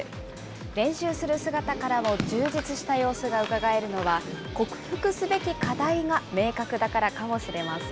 練習する姿からも充実した様子がうかがえるのは、克服すべき課題が明確だからかもしれません。